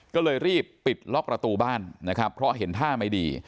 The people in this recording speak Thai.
ก็เลยรีบปิดล็อกประตูบ้านนะครับเพราะเห็นท่าไม่ดี